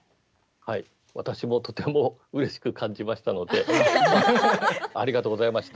私もとてもうれしく感じましたのでありがとうございました。